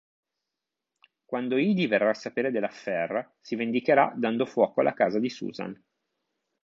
Quando Edie verrà a sapere dell'affair, si vendicherà dando fuoco alla casa di Susan.